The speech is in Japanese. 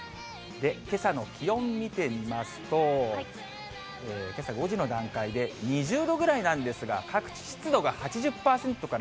けさの気温見てみますと、けさ５時の段階で２０度ぐらいなんですが、各地、高い。